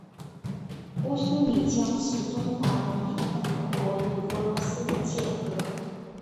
乌苏里江是中华人民共和国与俄罗斯的界河。